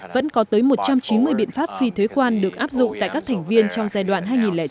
vẫn có tới một trăm chín mươi biện pháp phi thuế quan được áp dụng tại các thành viên trong giai đoạn hai nghìn chín hai nghìn một mươi ba